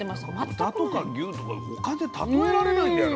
豚とか牛とかと他で例えられないんだよね